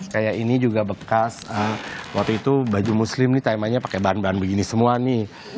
kayak ini juga bekas waktu itu baju muslim nih temanya pakai bahan bahan begini semua nih